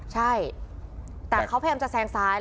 ใช่แต่เขาพยายามจะแซงซ้าย